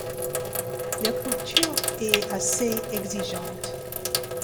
Leurs cultures est assez exigeante.